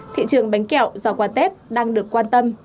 thị trường bánh kẹo giò quà tết đang được quan tâm